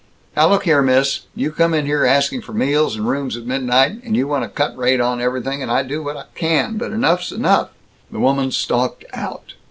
"Now look here, miss. You come in here, asking for meals and rooms at midnight, and you want a cut rate on everything, and I do what I can, but enough's enough!" The woman stalked out.